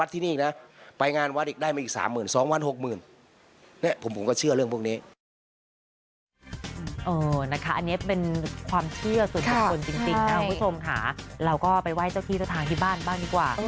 ถ้าคุณผู้ชมหาเราก็เอาไปไหว้เจ้าที่ศรัทธาที่บ้านบ้างดีกว่า